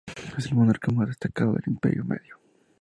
Es el monarca más destacado del Imperio Medio.